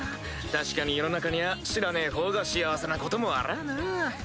確かに世の中には知らねえほうが幸せなこともあらぁなぁ。